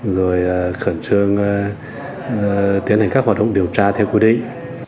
rồi khẩn trương tiến hành các hoạt động điều tra theo quy định